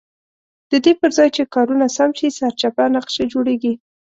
ددې پرځای چې کارونه سم شي سرچپه نقشې جوړېږي.